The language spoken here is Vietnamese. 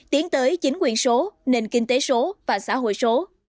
tiến tới chính quyền số nền kinh tế số và xã hội số